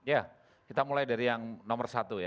ya kita mulai dari yang nomor satu ya